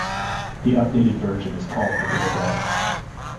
The updated version is called the Bulldog.